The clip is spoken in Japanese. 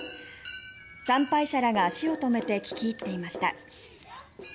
参拝者らが足を止めて聴き入っていました。